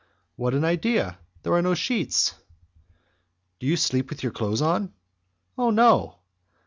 "What an idea! There are no sheets." "Do you sleep with your clothes on?" "Oh, no!"